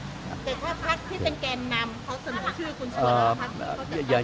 เจ้าครับภาคที่เป็นแก่นนำเขาเสนอชื่อคุณสวรรค์ครับ